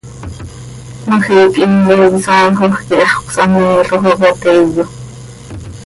Cmajiic himcoi isaajoj quih hax cösahmeeloj oo ca teeyo.